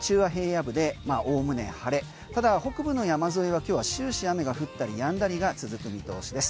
日中は平野部でおおむね晴れ北部の山沿いは今日は終始雨が降ったりやんだりが続く見通しです。